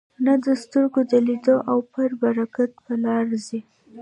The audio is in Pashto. نه د سترګو د لیدلو او پر برکت په لاره ځي.